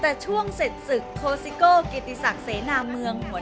แต่ช่วงเสร็จศึกโคสิโก้กิติสักเสนามเมือง